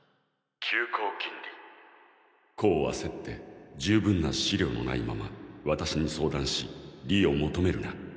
急功近利功を焦って十分な思慮のないまま私に相談し利を求めるな。